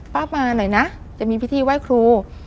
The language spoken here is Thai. ป้ามาหน่อยนะจะมีพิธีไหว้ครู